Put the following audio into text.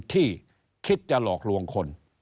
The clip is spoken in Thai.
ที่คิดจะหลอกลวงคน